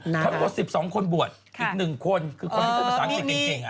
ถ้าเกิด๑๒คนบวชอีก๑คนคือคนที่เป็นภาษาอังกฤษจริงอะ